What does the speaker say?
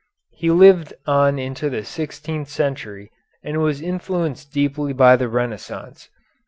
He lived on into the sixteenth century and was influenced deeply by the Renaissance.